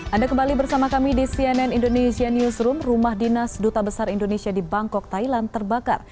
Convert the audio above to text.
anda kembali bersama kami di cnn indonesia newsroom rumah dinas duta besar indonesia di bangkok thailand terbakar